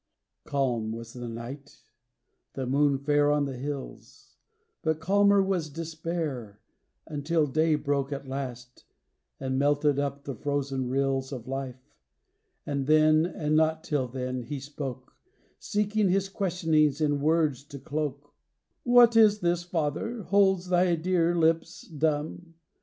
Calm was the night; the moon fair on the hills; But calmer was despair, until daj' broke At last, and melted up the frozen rills Of life; and then, and not till then, he spoke, Seeking his questionings in words to cloak: "What is this, father, holds thy dear lips dumb?